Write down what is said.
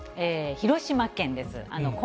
広島県です。